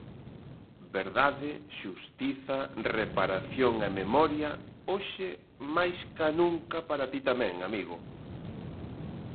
Verdade, xustiza, reparación e memoria, hoxe máis ca nunca, para ti tamén, amigo.